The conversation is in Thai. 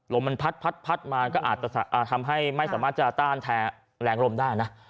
ลมมันพัดมาก็อาจจะทำให้ไม่สามารถจะต้านแท้แรงลมได้นะ